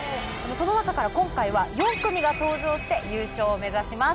その中から今回は４組が登場して優勝を目指します。